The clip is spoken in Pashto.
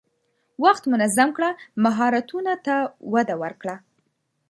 وخت منظم کړه، مهارتونو ته وده ورکړه.